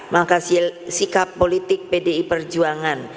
maka sikap politik pdi perjuangan